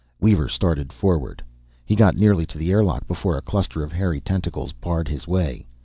Weaver started forward. He got nearly to the airlock before a cluster of hairy tentacles barred his way.